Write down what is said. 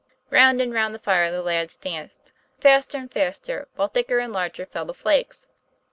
Round and round the fire the lads danced, faster and faster, while thicker and larger fell the flakes.